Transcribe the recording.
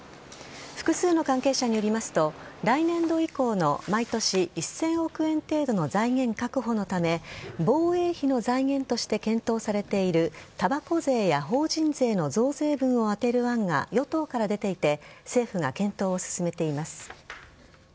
複数の関係者によりますと来年度以降の毎年１０００億円程度の財源確保のため防衛費の財源として検討されているたばこ税や法人税の増税分を充てる案が与党から出ていて政府が検討を進めています。